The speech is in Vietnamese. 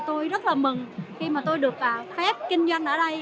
tôi rất là mừng khi mà tôi được phép kinh doanh ở đây